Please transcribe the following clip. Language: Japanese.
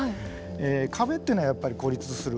壁っていうのはやっぱり孤立する。